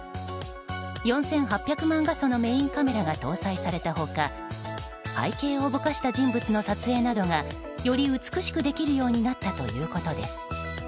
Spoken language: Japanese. ４８００万画素のメインカメラが搭載された他背景をぼかした人物の撮影などがより美しくできるようになったということです。